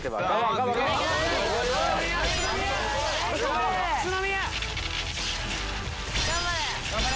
頑張れ！